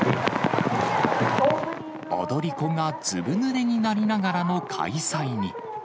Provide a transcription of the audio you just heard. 踊り子がずぶぬれになりながらも開催に。